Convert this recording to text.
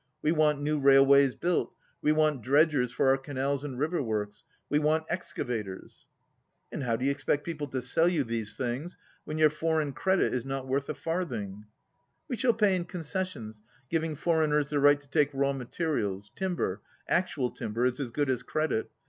We want new rail ways built. We want dredgers for our canals and river works. We want excavators." "And how do you expect people to sell you these things when your foreign credit is not worth a farthing^" "We shall pay in concessions, giving foreigners ■the right to take raw materials. Timber, actual timber, is as good as credit.